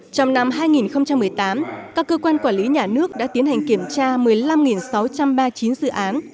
trong năm hai nghìn một mươi tám các cơ quan quản lý nhà nước đã tiến hành kiểm tra một mươi năm sáu trăm ba mươi chín dự án